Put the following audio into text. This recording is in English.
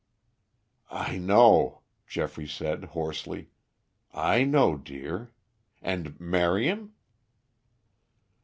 "I know," Geoffrey said hoarsely. "I know, dear. And Marion?"